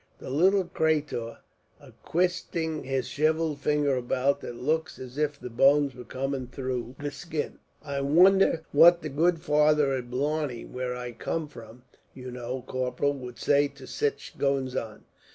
The little cratur a twisting his shrivelled fingers about, that looks as if the bones were coming through the skin. I wonder what the good father at Blarney, where I come from, you know, Corporal, would say to sich goings on.